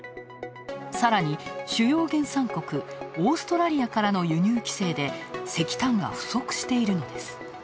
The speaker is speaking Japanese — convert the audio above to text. さらに、主要原産国オーストラリアからの輸入規制で石炭が不足しているのです。